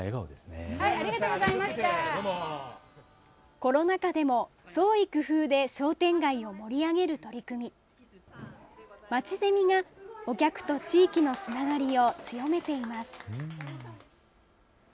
コロナ禍でも創意工夫で商店街を盛り上げる取り組み、まちゼミがお客と地域のつながりを強めています。